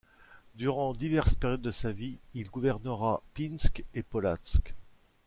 Durant diverses périodes de sa vie, il gouvernera Pinsk et Polatsk.